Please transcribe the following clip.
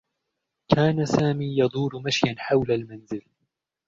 كان سامي يدور مشيا حول المنزل.